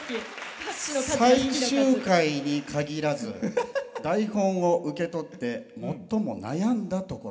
「最終回に限らず台本を受け取って最も悩んだところ」。